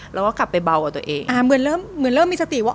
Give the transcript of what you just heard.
เราก็กลับไปเบากับตัวเองอ่าเหมือนเริ่มเหมือนเริ่มมีสติว่า